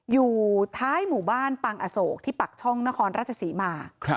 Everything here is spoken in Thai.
อยู่ท้ายหมู่บ้านปังอโศกที่ปักช่องนครราชศรีมา